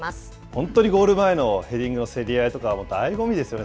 本当にゴール前のヘディングの競り合いとか、だいご味ですよ